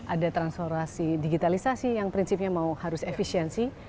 ada transformasi digitalisasi yang prinsipnya mau harus efisiensi